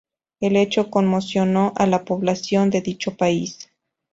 El hecho conmocionó a la población de dicho país.